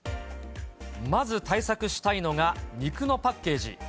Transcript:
まず対策したいのが、肉のパッケージ。